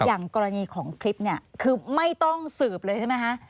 อย่างกรณีของคลิปเนี่ยคือไม่ต้องสืบเลยใช่ไหมคะ